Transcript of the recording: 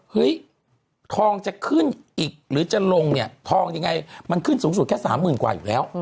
เฮ้ยทองจะขึ้นอีกหรือจะลงเนี่ยทองยังไงมันขึ้นสูงสุดแค่สามหมื่นกว่าอยู่แล้ว